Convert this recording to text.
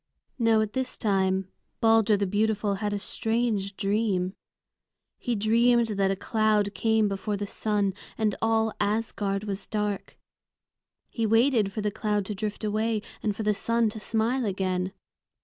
Now at this time Balder the beautiful had a strange dream. He dreamed that a cloud came before the sun, and all Asgard was dark. He waited for the cloud to drift away, and for the sun to smile again.